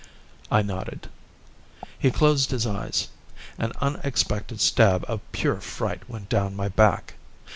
I nodded. He closed his eyes. An unexpected stab of pure fright went down my back.